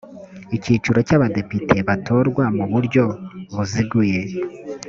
icyiciro cy’abadepite batorwa mu buryo buziguye